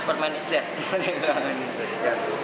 superman is dead